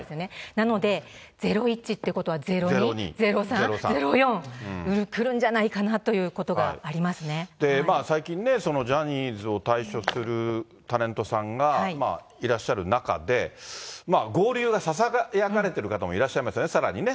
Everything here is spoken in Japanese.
なので、ゼロイチということは、ゼロイチということは、ゼロに、ゼロサン、ゼロヨン、来るんじゃないかなということがあ最近ね、ジャニーズを退所するタレントさんが、いらっしゃる中で、合流がささやかれている方もいらっしゃいますよね、さらにね。